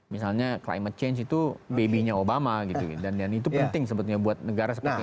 misalnya climate change itu baby nya obama gitu dan dan itu penting sebetulnya buat negara seperti itu